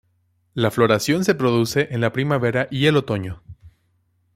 La floración se produce en la primavera y el otoño.